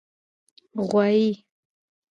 🐂 غوایی